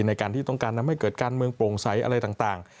ในการที่ต้องการทำให้เกิดการเมืองโปร่งใสอะไรต่าง